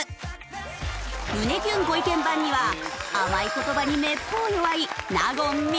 胸キュンご意見番には甘い言葉にめっぽう弱い。